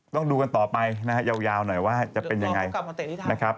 ต้องดูกันต่อไปนะฮะยาวหน่อยว่าจะเป็นอย่างไร